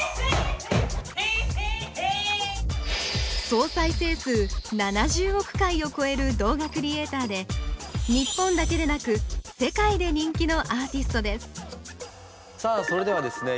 総再生数７０億回を超える動画クリエーターで日本だけでなく世界で人気のアーティストですさあそれではですね